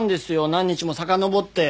何日もさかのぼって。